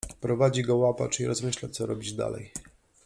Prowadzi go łapacz i rozmyśla, co robić dalej.